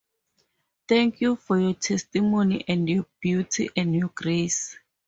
Thank you for your testimony and your beauty and your grace.